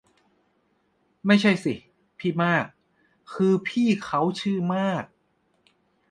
ไม่ใช่สิ พี่มาก คือพี่เค้าชื่อมาก